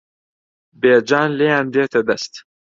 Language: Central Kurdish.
بێجان لێیان دێتە دەست